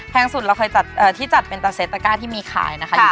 แพงสุดที่เราจัดเป็นแต่เซตตะก้าที่มีขายอยู่ที่๒๕๐๐บาท